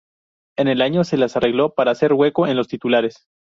En el año se las arregló para hacer hueco en los titulares.